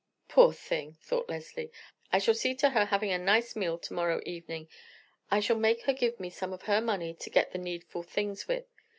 "Poor thing!" thought Leslie. "I shall see to her having a nice meal to morrow evening. I shall make her give me some of her money to get the needful things with.